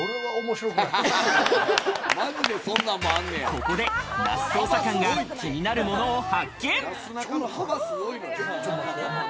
ここで那須捜査官が気になるものを発見。